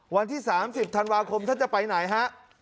วันที่๓๐ธันวาคมท่านจะไปไหนฮะ